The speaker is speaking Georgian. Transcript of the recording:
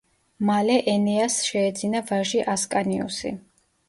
მალე ენეასს შეეძინა ვაჟი ასკანიუსი.